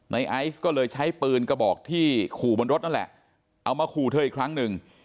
ไอซ์ก็เลยใช้ปืนกระบอกที่ขู่บนรถนั่นแหละเอามาขู่เธออีกครั้งหนึ่ง